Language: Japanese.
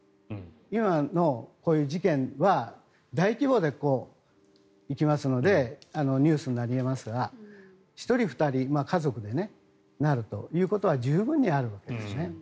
今の、こういう事件は大規模でいきますのでニュースになり得ますが１人、２人家族でなるというのは十分にあるわけですね。